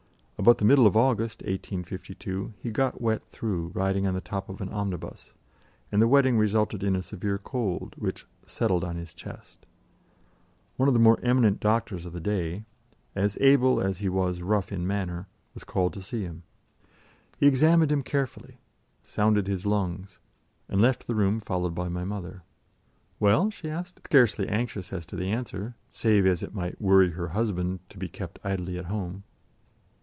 About the middle of August, 1852, he got wet through, riding on the top of an omnibus, and the wetting resulted in a severe cold, which "settled on his chest." One of the most eminent doctors of the day, as able as he was rough in manner, was called to see him. He examined him carefully, sounded his lungs, and left the room followed by my mother. "Well?" she asked, scarcely anxious as to the answer, save as it might worry her husband to be kept idly at home.